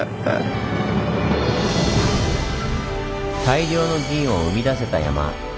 大量の銀を生み出せた山。